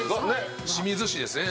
清水市ですね。